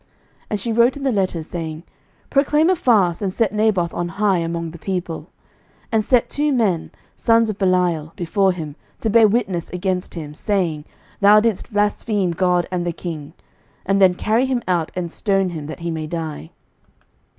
11:021:009 And she wrote in the letters, saying, Proclaim a fast, and set Naboth on high among the people: 11:021:010 And set two men, sons of Belial, before him, to bear witness against him, saying, Thou didst blaspheme God and the king. And then carry him out, and stone him, that he may die.